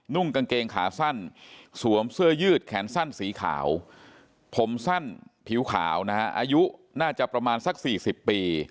่งกางเกงขาสั้นสวมเสื้อยืดแขนสั้นสีขาวผมสั้นผิวขาวนะฮะอายุน่าจะประมาณสัก๔๐ปี